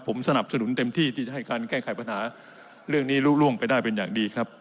ผมสนับสนุนเต็มที่ที่จะให้การแก้ไขปัญหาเรื่องนี้รู้ร่วงไปได้เป็นอย่างดีครับ